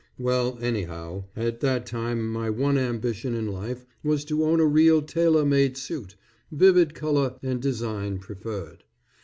Well anyhow, at that time my one ambition in life was to own a real tailor made suit, vivid color and design preferred.